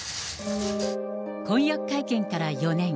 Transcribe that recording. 婚約会見から４年。